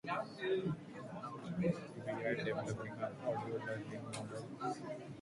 He returned home to read law, and set up a practice in New Bern.